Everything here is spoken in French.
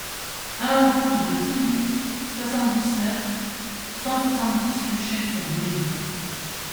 un route de Tillou, soixante-dix-neuf, cent soixante-dix, Luché-sur-Brioux